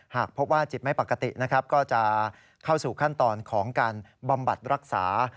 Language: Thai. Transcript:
หากพบว่าจิตไม่ปกตินะครับก็จะเข้าสู่ขั้นตอนของการบำบัดรักษา